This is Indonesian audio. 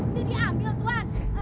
ini diambil tuan